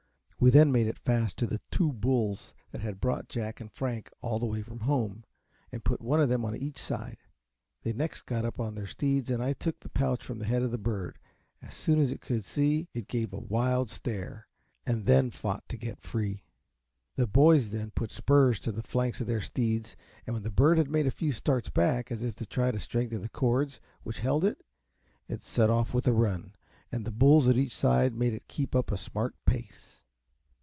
We then made it fast to the two bulls that had brought Jack and Frank all the way from home, and put one of them on each side. They next got up on their steeds, and I took the pouch from the head of the bird. As soon as it could see, it gave a wild stare, and then fought to get free. The boys then put spurs to the flanks of their steeds, and when the bird had made a few starts back, as if to try the strength of the cords which held it, it set off with a run, and the bulls at each side made it keep up a smart pace.